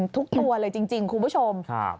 ทุกตัวเลยจริงคุณผู้ชม